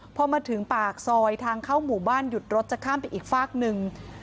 พอมาถึงปากซอยทางเข้าหมู่บ้านหยุดรถจะข้ามไปอีกฝากหนึ่ง